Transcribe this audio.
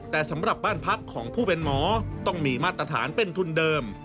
แต่สำหรับบ้านพักของผู้เป็นหมอต้องมีมาตรฐานเป็นทุนเดิม